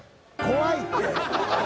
怖いって。